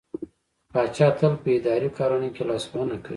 پاچا تل په اداري کارونو کې لاسوهنه کوي.